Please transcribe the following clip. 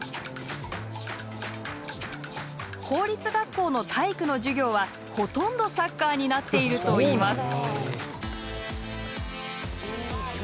公立学校の体育の授業はほとんどサッカーになっているといいます。